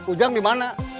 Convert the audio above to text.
ujang di mana